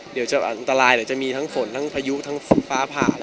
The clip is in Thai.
เดี๋ยวจะอันตรายจะมีทั้งฝนพายุสฟ้าผ่า